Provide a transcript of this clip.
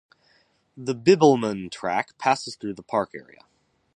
The Bibbulmun Track passes through the park area.